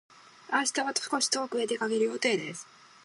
明日は少し遠くへ出かける予定です。